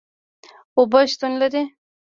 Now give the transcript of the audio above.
اوبه شتون لري